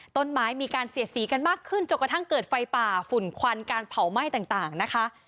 ต้นไม้มีการเสียดสีกันมากขึ้นจนกระทั่งเกิดไฟป่าฝุ่นควันการเผาไหม้ต่างนะคะ